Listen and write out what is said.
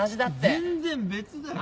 全然別だよ。